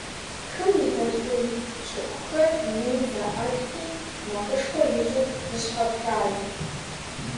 Хым и толъкъун щӀыхухэр ину заӀэтти макъышхуэ ищӀу зыщхьэпрадзт.